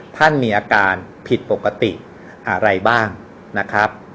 ท่านมีอาการผิดปกติอะไรบ้างนะครับ